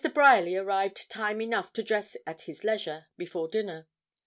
Bryerly arrived time enough to dress at his leisure, before dinner.